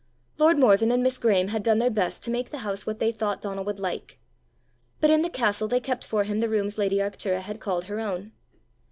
Lord Morven and Miss Graeme had done their best to make the house what they thought Donal would like. But in the castle they kept for him the rooms lady Arctura had called her own.